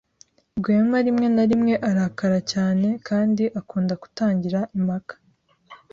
Rwema rimwe na rimwe arakara cyane kandi akunda gutangira impaka.